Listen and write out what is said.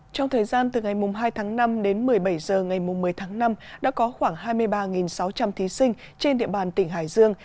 trong thời gian từ ngày hai tháng năm đến một mươi bảy h ngày một mươi tháng năm đã có khoảng hai mươi ba sáu trăm linh thí sinh trên địa bàn tỉnh hải dương